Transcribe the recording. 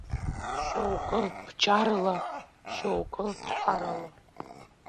Шьоукы бџьарла, Шьоукы ԥарала.